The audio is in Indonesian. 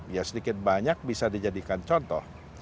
ya sedikit banyak bisa dijadikan contoh